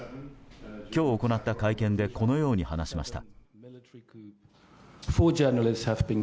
今日行った会見でこのように話しました。